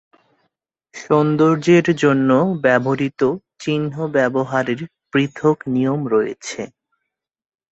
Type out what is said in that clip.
সৌন্দর্যের জন্য ব্যবহৃত চিহ্ন ব্যবহারের পৃথক নিয়ম রয়েছে।